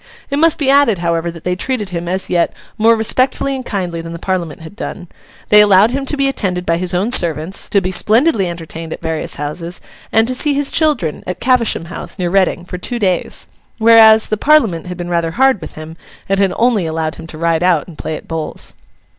It must be added, however, that they treated him, as yet, more respectfully and kindly than the Parliament had done. They allowed him to be attended by his own servants, to be splendidly entertained at various houses, and to see his children—at Cavesham House, near Reading—for two days. Whereas, the Parliament had been rather hard with him, and had only allowed him to ride out and play at bowls.